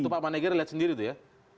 itu pak manegara lihat sendiri itu ya